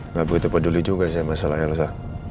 nggak begitu peduli juga sih masalahnya yelusa